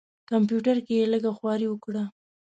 کمپیوټر کې یې لږه خواري وکړه.